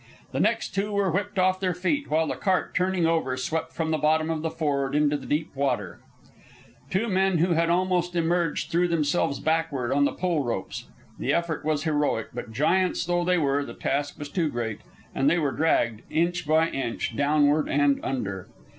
The next two were whipped off their feet, while the cart, turning over, swept from the bottom of the ford into the deep water. The two men who had almost emerged threw themselves backward on the pull ropes. The effort was heroic, but giants though they were, the task was too great and they were dragged, inch by inch, downward and under.